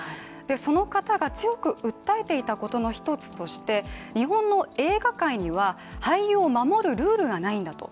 その方が強く訴えていたことの一つとして日本の映画界には俳優を守るルールがないんだと。